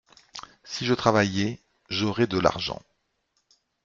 Si je travaillais, j’aurais de l’argent.